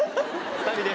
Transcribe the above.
２人で。